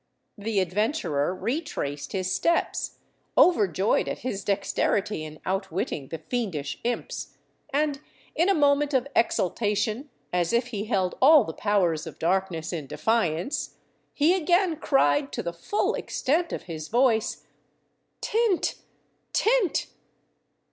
The adventurer retraced his steps, overjoyed at his dexterity in outwitting the fiendish imps, and in a moment of exultation, as if he held all the powers of darkness in defiance, he again cried to the full extent of his voice— "Tint! tint!"